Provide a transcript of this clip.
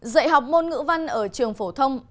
dạy học môn ngữ văn ở trường phổ thông